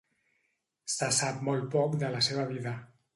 Se sap molt poc de la seva vida.